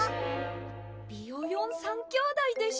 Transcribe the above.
ビヨヨン３きょうだいでしょうか？